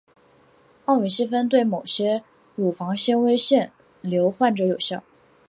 奥美昔芬对某些乳房纤维腺瘤患者有效。